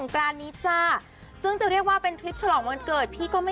ก็ถือว่าเป็นทิพย์พักผ่อน